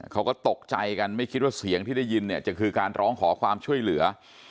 เขาก็ตกใจกันไม่คิดว่าเสียงที่ได้ยินเนี่ยจะคือการร้องขอความช่วยเหลือ